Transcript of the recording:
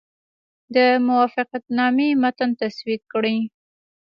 د موافقتنامې متن تسوید کړي.